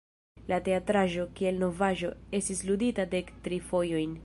La teatraĵo, kiel novaĵo, estis ludita dektri fojojn.